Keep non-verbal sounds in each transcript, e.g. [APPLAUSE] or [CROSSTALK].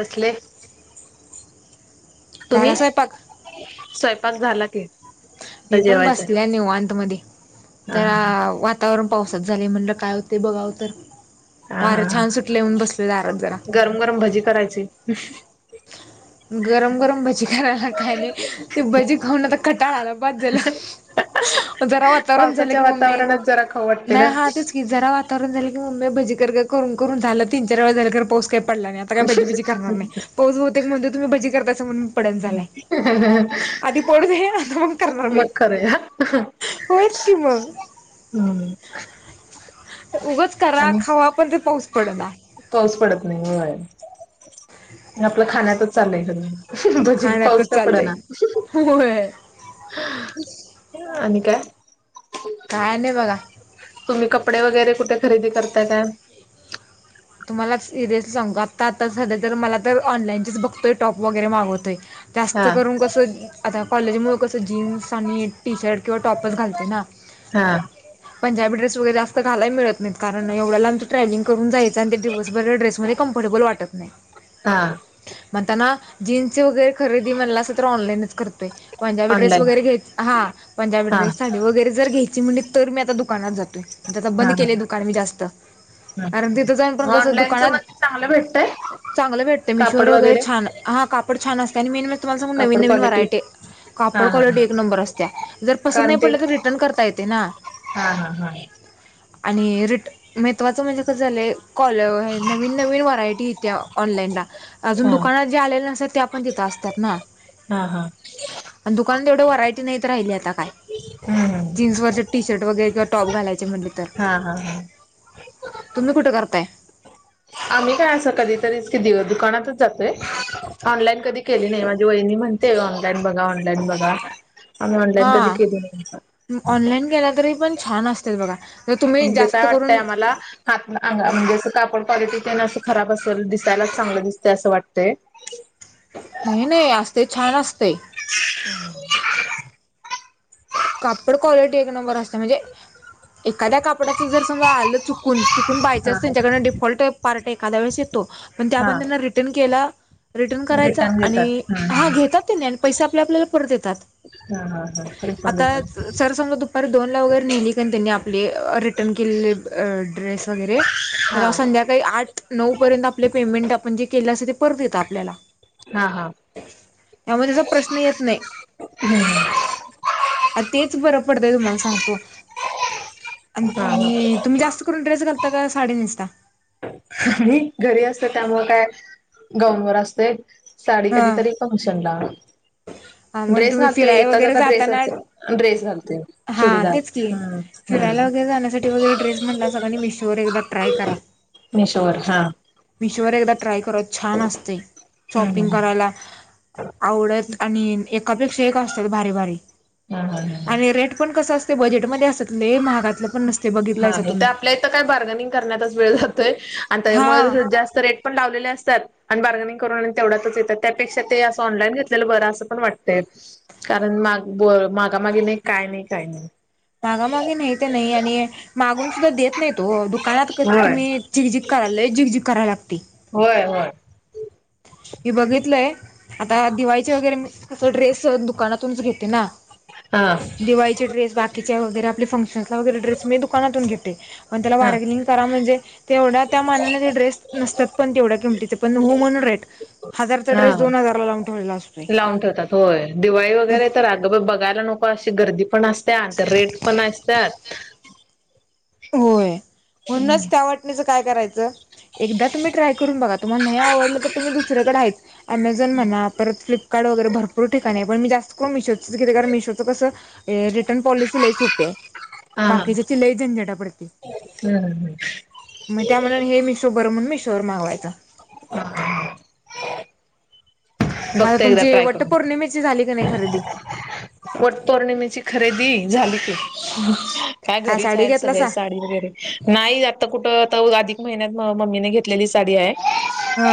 बसले [UNINTELLIGIBLE] तुम्ही झाला स्वयंपाक [UNINTELLIGIBLE] स्वयंपाक झाला की आता मी पण जेवायचंय बसले निवांत मध्यी हा जरा हा वातावरण [UNINTELLIGIBLE] पावसात झाले म्हणलं काय होतेय बघावं तरी [UNINTELLIGIBLE] हा हा हा वारं हा छान सुटलंय म्हणून बसलोय दारात जरा गरम गरम भजी करायची ह [UNINTELLIGIBLE] गरम गरम भजी करायला काय नाही ते भजी खाऊन तर कटाळ आला बास झालं जरा वातावरण झालं पावसाच्या की मम्मी वातावरणात जरा खाऊ वाटते ना नाही हहातच की जरा वातावरण झालं की मम्मी [UNINTELLIGIBLE] भजी कर करून करून झालं तीन चार वेळा झालं तर पाऊस काही पडला नाही आता काय भजीबजी करणार नाही म्हण तुम्हीजी करतां म्हून [UNINTELLIGIBLE] पड झालाय आधी पडू आ मग करणार मी मग खरं [INAUDIBLE] होयच कि मग- [INAUDIBLE] हम्म [UNINTELLIGIBLE] उगंच करा आणि खावा पण ते पाऊस पड ना [UNINTELLIGIBLE] पाऊस पडत नाही होय आपलं खाण्यातच चाललंय ख [UNINTELLIGIBLE] भजी पाऊस खाण्यातच का चाललंय पडना होय आणि [UNINTELLIGIBLE] का [UNINTELLIGIBLE] काय नाही बघा तुम्ही कपडे वगैरे कुठे खरेदी करताय काय तुम्हाला सिरियस सांगतो आता आता झालं तर मला तर ऑनलाईन च बघतोय टॉप वगैरे मागवतोय जास्त हा करून कसं आता कॉलेजमुळ कसं जीन्स आणि टी शर्ट किंवा टॉपर्स घालते ना हा [UNINTELLIGIBLE] पंजाब ्रेस वैगरे जास्त घालायला मिळत कारण एवढ्याला आमं ट्रॅ्हलिंगूनयं [UNINTELLIGIBLE] दिवसभर ड्रेसमध्ये कमफर्टेबल वाटत नाही हा म्हणताना [UNINTELLIGIBLE] जीन्स वगैरे खरेदी म्हणलासा तर असं तर ऑनलाईनच करतोय पंजाबीड्रेस ऑनलाईन वगैरे घय ह हा पंजबी ्रे साडी वगैरे जर घेतय [UNINTELLIGIBLE] तर मी आता दुकानात जातोय म्हणे आता हा बंद केले दुकान मी जास्त हा कारण [UNINTELLIGIBLE] क [UNINTELLIGIBLE] दु ऑनलाईनच मग चांगलं भेटतय चांग भेट मिश कापड वरे वगैरे छा कापड छान अस न [UNINTELLIGIBLE] तुम्हाला सग नवीन कापड नवीन क्वालिटी व्हरायटी हा कापड हा हा क्वालिटी एक नंबर असत्या जर पसंत कारण नाही ते पडल‌ तर रिटर्न करता येत [UNINTELLIGIBLE] हा हा हा. आणि रिट महत्वाचं म्हणजे कसं झालंय कॉलर नवीन नवीन व्हरायटी. त्या ऑनलाईनला अजून हा दुकानात जे आलेले नसत ते आपण त असतात ना. हा हा आणि दुकानात एवढं व्हरायटी नाहीत राहिली आता काय. हम्म हम्म जीन्सवररचे टी शर्ट वगैरे किंवा टॉप घालायचे म्हटले तर. हा हा हा तुम्ही कुठे करता. आम्ही काय अस कधीतरी कि दुकानातच जातोय ऑनलाईन कधी केली नाही म्हणजे वहिनी... म्हणते ऑनलाईन बघा ऑनलाईन बघा आम्ही ऑनलाईन कधी हां केली नाही. ऑनलाईन केला तरी पण छान असतील बघा. तर तुम्ही म्हणजे काय जास्त करून वाटतंय आम्हाला हात म्हणजे अस का आपड क्वालिटी.. असं खराब असेल दिसायलाच चांगलं दिसत असं वाटतंय. नाही नाही असते छान असते. ह [INAUDIBLE] कापड क्वालिटी एक नंबर असते म्हणजे एखाद्या कापडाचं जर समजा आलं चुकून. चुकून हा बायच्यान्स त्यांच्याकड डिफॉल्ट पार्ट एखाद्या वेळेस येतो पण त्या प हा त्यांना रिटर्न केला. रिटर्न करायचा आणि हा घेतात तेनी आणि पैसे आपले आपल्याला परत येतात. हा हा हा. रिफंड आता होतात सरसमज दुपार दोनला वगैरे नेली कारण त्यांनी आपले रिटर्न केलेले ड्रेस वगैरे... हा तर संध्याकाळी आठ नऊ पर्यंत आपले पेमेंट आपण जे केलं असं ते परत येत आपल्याला. हा हा. त्यामुळे त्याचा प्रश्न येत नाही. तेच बर पडतंय तुमाला सगतो हा हा तुम्त.. ड्रेस घालता का साडी नेसता. आणि घरी असते त्यामुळे काय गाऊनवर असते. साडी कधीतरी फंक्शन ला. ह हा मग तुम्ही फिराय वगैरे जाताना ड्रेसच ड्रेस घालतोय हा तेच की चुडीदार हम्म हम्म फिरायला... ै जाण्यासाठी वगैरेड्रेस म्हटला सगनी म मिशो वर एकदा ट्राय करा. मिशोवर हा मिशोवर एकदा ट्राय करा छान असतय हम्म शॉपिंग हम्म करायला.. आवडत आणि एकापेक्षा एक असतात भारी भारी. हा हा हा आणि रेट पण कस असते बजेटमध्ये असतय महागातलं पण नसतय बघितलाय हा इथं तुम्ही. आपल्या इथं काय बार्गनिंग करच वेळ जातोय आणि हा त्याच्यामुळे जास्त रेट पण लावलेले असतात.. आणि बार्गनिंग करून आणि तेवढ्याच येतात त्यापेक्षा ते असं ऑनलाईन घेतलेलं बरं अस पण वाटतंय कारणग... बरं मागा मागी नाही काय नाही काय नाही. मागा मागे नाही ते नाही आणि मागून सुद्धा देत नाही तो दुकानात क होय तुम्ही च... लई झिग झिग कराय लागतय. होय होय. मी बघितलय आता दिवाळीचे वगैरे मी अस ड्रेस दुकानातूनच घेते ना. हा. दिवाळीचे ड्रेस बाकीच्या वगैरे आप फंक्शनसला वगैरे ड्रेस मी दुकानातून घेते, पण त्याला हा बार्गेनिंग करा म्हणजे. तेवढ्या त्या मानाला ते ड्रेस नसत्यात पण तेवढ्या किमतीचे पण हो म्हणून रेट. हजार चे हा ड्रेस दोन हजार ला लावून ठेवतात. लावून ठेवतात होय दिवाळी मग वगैरे तर अग बघायला नको अशी... गर्दी पण असत्या आणि त्या रेट पण असतात होय म्हणूनच त्या वाटणीचं काय करायचं. एकदा तुम्ही ट्राय करून बघा तुम्हाला नाही आवडलं तर तुम्ही दुसर्याकडे आहेच अमेझॉन म्हणा परत फ्लिप.. काड वगैे भरपर ठीकानी आहेण म जास्त करून मीशो. शोच कस रिटर्न पॉलिसी लई सोपी आहे हा हा बाकीच्या चि लई झंझट हम्म मग त्या म्ह हे मिशो बर म्हण मिशोवर मागवायच. अ माझा बघते एकदा तुमची ट्राय वट्ट करून पौर्णिमेची झाली का नाही खरेदी वट पौर्णिमेची खरेदी. झालं ते. काय घरीच साडी आहेत, सगळे घेतलासा साडी वगैरे नाही आता कुठं आ आधिक. महिन्यात मम्मीने घेतलेली साडी आहे हा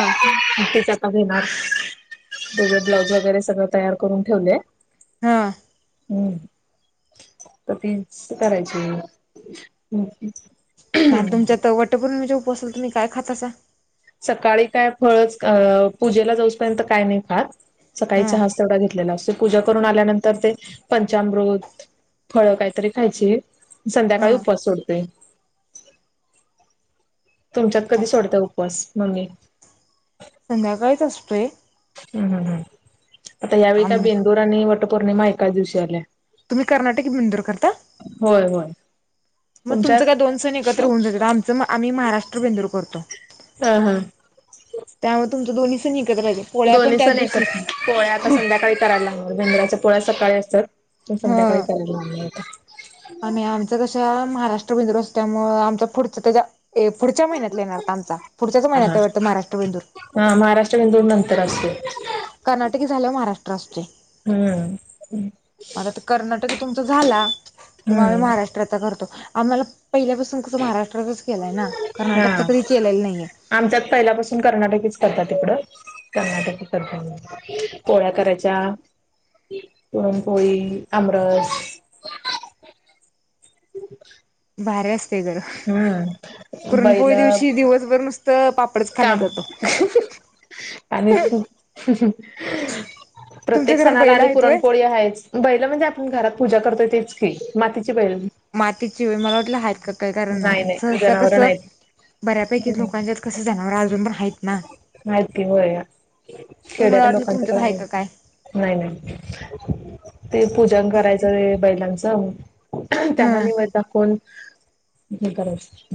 तेच आता घेणार. तझ ब्लाऊज वगैरे सगळं तयार करून ठेवले. हा. हम. तर तीच करायची. मॅम तुमच्यात वटपौर्णिमेच्या उपवासाला तुम्ही काय खातासा. सकाळी काय फळच, पूजेला जाऊपर्यंत काय नाही खात. सकाळीच हा चहा तेवढा घेतलेला असतो. पूजा करून आल्यानंतर ते पंचामृत फळ काहीतरी खायची. संध्याकाळी हा उपास सोडतेय. तुमच्यात कधी सोडत उपवास मग संध्याकाळीच असतोय ह् हम् ह आता यावेळी काय आम बेंदूर आणि वटपौर्णिमा एकाच दिवशी आल्या तुम्ही कर्नाटक बिंदूर करता होय होय मग तुमच्यात? तुमचं काय दोन सण एकत्र होऊन जात आमच मग आम्ही महाराष्ट्र बेंदूर करतो हम हा त्यामुळे तुमचं दोन्ही सण एकत्र राहते पोळ्या पण दोन्ही त्याच सण दिवशीच एकत्र पोळ्या आता संध्याकाळी करायला लागणार बेंदराच्या पोळ्या सकाळी असतात प हा संध्याकाळी करायला लाग होता आणि आमच कश्या महाराष्ट्र बेंदूर असत त्यामुळे आमच्या पुढच्या त्याच्या ए पुढच्या महिन्यातला येणार आमचा पुढच्याच हा महिन्यात हा आहे वाटत महाराष्ट्र बेंदूर त्रास कर्नाटकी झाल्यावर महाराष्ट्र असते हम् कर्नाटकी तुमचा झाला की आम्ही महाराष्ट्राचा करतो आम्हाला पहिल्यापासून कस महाराष्ट्रातच केलाय ना हा कर्नाटकचा कधी केलेला नाहीये सध तिकडं कर्नाटकी पोळ्या कराच्या पुरणपोळी अमरस [UNINTELLIGIBLE] भारी असते घर हम्म बैल पुरणपोळी दिवशी दिवसभर नुसतं पापडच खाण्यात काम जातो आणिच तुमच्या प्रत्येक घरात सणाला बैल आणि आहेत व्हय पुरणपोळी आहेच बैल म्हणजे आपण घरात पूजा करतोय तेच की माती माती ची व्हय मला वाटल नाही कारण नाही सहसा कस जनावर नाहीत बऱ्यापैकी लोकांच्या कस जनावर अजून रा माहित की बया म्हणून मला खेड्यात वाटलं लोकांच्याकडे तुमच्यात आहे का काय माहीत नाही नाही नाही ते पूजन करायचं ते बैलांच जा त्यांना हं निवद दाखवून करायच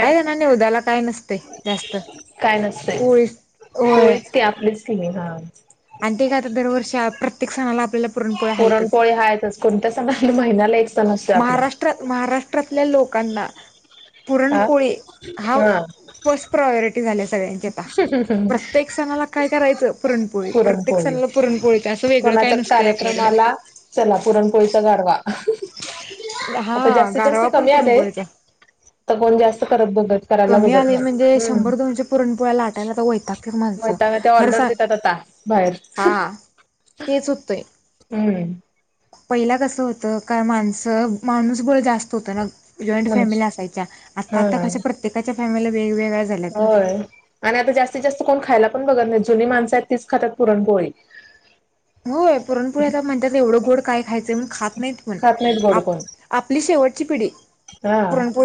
काही निवदाला काय नसत जास्त काय नसतंय पोळी होय पोळीच की आपलीच की हा आणि ते काय आता दरवर्षी प्रत्येक सणाला आपल्याला पुरणपोळ्या हायतच. पुरणपोळी हायच कोणत्या सणाला महिना्याला एक सण असतो आपला महाराष्ट्रात महाराष्ट्रातल्या लोकांना हा पुरणपोळी हा फर्स्ट प्रायोरिटी झाले आ प्रत्येक सणाला काय करायचं पुरणपोळी प्रत्येक पुरणपोळी सणाला पुरणपोळी अस वेगळं - कार्यक्रमाला चला पुरणपोळीचा गाढवा [UNINTELLIGIBLE] आता हा जास्तीत जास्त गारवा पण कमी आलेय पुरणपोळीचा. तर कोण जास्त कर! कमी आले म्हणजे शंभर दोनशे पुरण - तवा लाटायला तर वैतागत्यात मग माणसं त्या खर ऑर्डर सांग देतात आता बाहेर हां - तेच होतंय. हम्म पहिला कसं होतं का माणसं माणूसबळ जास्त होतं ना - जॉईंट फॅमिली म्हणूनच असायच्या आता -आता हा कशा प्रत्येकाच्या फॅमिला वेगवेगळ्या! झाल्यात होय आणि आता जास्तीत जास्त - कोण खायला पण बघत नाही जुनी माणस आहेत तीच खातात पुरणपोळी! होय पुरणपुळ्याला म्हणतात एवढं गोड काय खायचं मग खात - नाहीत पण खात नाहीत गोड आप कोण आपली शेवटची पिढी - हा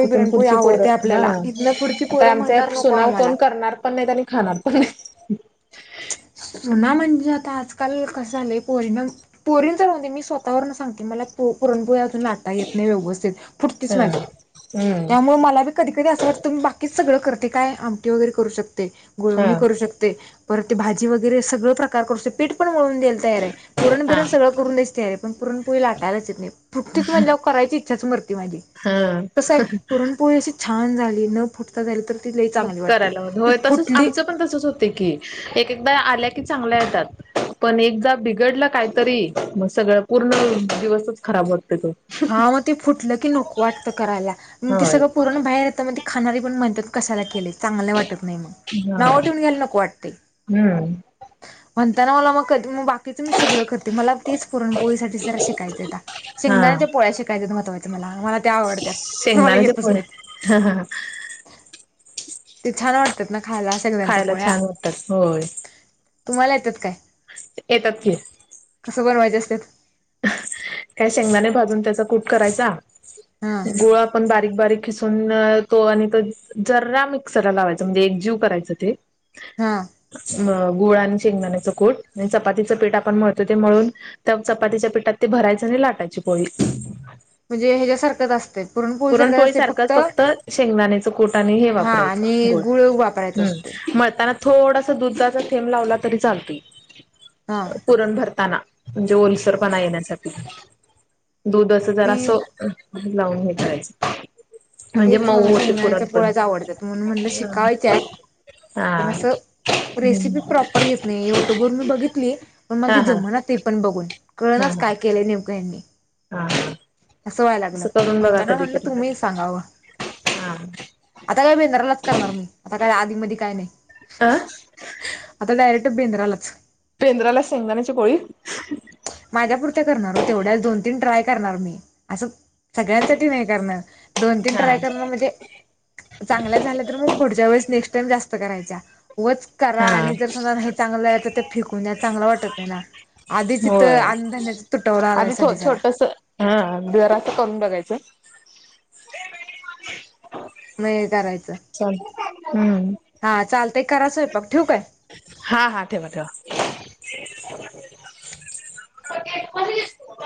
येथून पुढची पोर हा इथनं पुढची आता पोरं आमचा म्हणणार नको सुनाव आम्हाला कोण करणार पण नाही त्या - खाणार पण हाय. [UNINTELLIGIBLE] जुना म्हणजे आता आजकाल कसं झालंय पोरींन चालवते मी स्वतःवर सांगते मला पो - पुरणपोळ्या अजून लाटा येत नाही व्यवस्थित! पुटतीच हा माझी हम्म त्यामुळे मला कधी- कधी असं वाटतं मी बाकीच - सगळं करते काय आमटी वगैरे करू शकते गोळवणी हा करू शकते. परत ते भाजी वगैरे सगळं प्रकार करू शकते पीठ पण मळून द्यायला तयार आहे पुरण हा बिरण सगळं करून द्यायची तयारी आहे. पण पुरणपोळी लाटायलाच येत नाही फुटतीच म्हणजे करायची इच्छा मरते. ती माझी हा कस आहे पुरणपोळी अशी छान झाली न फुटता झाली तर! ती लई चांगली वाटते करायलात हो ती तसंच फुटली आमचं पण तसच होत की - एक एकदा आल्या की चांगल्या येतात. पण एकदा बिघडलं काहीतरी मग सगळं पूर्ण दिवसच खराब होत. हा मग ते फुटलं की नको वाटतं करायला मग ते होय सगळं पुरण बाहेर येतं मग ती खाणारी - मग म्हणतात कशला केले चांगले वाटत नाही मग हा नाव ठेवून घ्यायला नको वाटते. हम्म म्हणताना मला मग क मग बाकीचं मी सगळं करते मला तेच पुरणपोळीसाठी जरा शिकायचंय आता! हा शेंगदाण्याच्या पोळ्या शिकायकाच्या आहे महत्वाचं मला - मला त्या आवडत्या मला शेंगदाण्याचे येतच पोळे नाहीत. हा ते छान वाटतात ना खायला सगळ्याच्या खायला पोळ्या छान वाटतात होय तुम्हाला येतात काय - येतात की - च बनवायचे असतात. काय शेंगदाने भाजून त्याचा कूट करायचा हा गोळा आपण बारीक - बारीक! खिसून तो आणि त जरा मिक्सरला लावायचा म्हणजे एक जीव करायच ते हा - [UNINTELLIGIBLE] गुळ आणि शेंगदाण्याच कूट चपातीचं पीठ आपण मळतोय ते मळून त्या चपाती - चपातीच्या पीठात ते भरायचं आणि लाटायची पोळी - म्हणजे ह्याच्यासारखंच असतंय पुरणपोळी असते सारखंच फक्त शेंगदाणेच कुट आणि हे हा वापरायचं. आणि बोल गुळ [UNINTELLIGIBLE] वापरायचा असतोय हम्म मळताना - थोडासा दुधाचा थेंब लावला तरी चालत हा पुरण भरताना. म्हणजे ओलसरपणा येण्यासाठी दूध असं मी जरासं - लावून हे करायचं. म्हणजे तेच मला मऊष शेंगदाण्याच्या पुरणपण पोळ्याच आवडतात म्हणून म्हणलं शिकायच्यात [UNINTELLIGIBLE] पण हां असं रेसिपी प्रॉपर येत नाही युट्यूब वर मी बघितली पण मला ते हा हा हा जमना ते पण बघून! कळ नाच काय केलंय नेमकं यांनी - हां असं व्हाय लागलं म्हणता ना म्हटलं तुम्ही सांगावं. हा आता काय भेंद्रालाच करणार मी आता काय आधी म काय नाही आ ेंद्रालाच पेंद्राला शेंगदााण्याची कोळी माझ्यापुरत्या करणार हो तेवढ्याच दोन तीन ट्राय करणार मी अस सगळ्यांसाठी नाही करणार दोन तीन हा ट्राय करणार म्हणजे चांगल्या झाल्या तर मग पुढच्या वेळेस नेक्स्ट टाइम जास्त करायचा वच करा हा आणि जर समजा हे चांगलं झालं तर ते फेकून चांगलं वाटत आहे ना आधीच होय आधी छोटस हा जरा अस करून बघायचं करायच चाल हम्म हा चालत कराचय पघ ठेवकय हा हा ठेववा ठेवा क